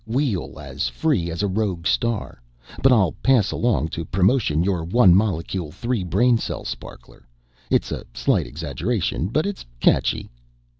Wheel as free as a rogue star. But I'll pass along to Promotion your one molecule three brain cell sparkler. It's a slight exaggeration, but it's catchy."